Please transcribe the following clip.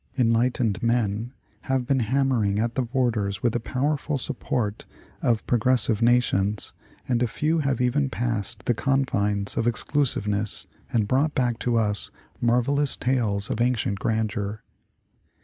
Enlightened men have been hammering at the borders with the powerful sup port of progressive nations, and a few have even passed the con fines of exclusiveness and brought back to us marvellous tales of ancient grandeur.